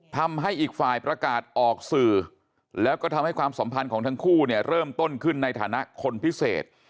ทำให้อีกฝ่ายประกาศออกสื่อแล้วก็ทำให้ความสัมพันธ์ของทั้งคู่เนี่ยเริ่มต้นขึ้นในฐานะคนพิเศษ